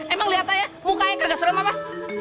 emang liat aja mukanya kagak serem mah mah